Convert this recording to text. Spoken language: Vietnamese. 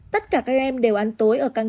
tất cả các em đều ăn tối ở các phòng